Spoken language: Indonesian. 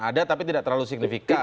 ada tapi tidak terlalu signifikan